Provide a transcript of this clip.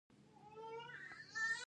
زه د قرآن کريم تلاوت کوم.